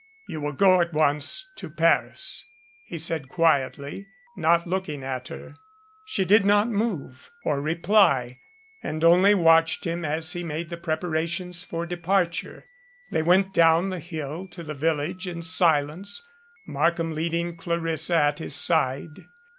"You will go, at once, to Paris," he said quietly, not looking at her. She did not move, or reply, and only watched him as he made the preparations for departure. They went down the hill to the village in silence, Markham leading Clarissa at his side.